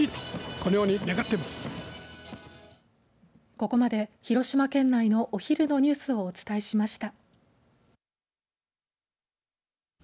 ここまで広島県内のお昼のニュースをお伝えしました。